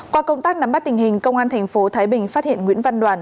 qua công tác nắm bắt tình hình công an thành phố thái bình phát hiện nguyễn văn đoàn